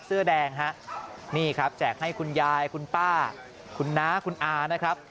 เสื้อแดงฮะนี่ครับแจกให้คุณยายคุณป้าคุณน้าคุณอานะครับ